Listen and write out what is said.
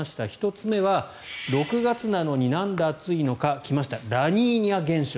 １つ目は、６月なのになんで暑いのか。来ました、ラニーニャ現象。